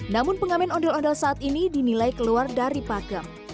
namun pengamen ondel ondel saat ini dinilai keluar dari pakem